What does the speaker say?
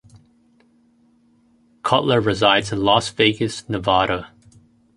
Cutler resides in Las Vegas, Nevada.